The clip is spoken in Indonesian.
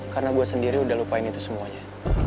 karena gue sendiri udah lupain itu semuanya